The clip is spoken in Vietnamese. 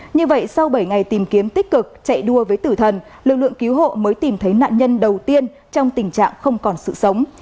như vậy sau bảy ngày tìm kiếm tích cực chạy đua với tử thần lực lượng cứu hộ mới tìm thấy nạn nhân đầu tiên trong tình trạng không còn sự sống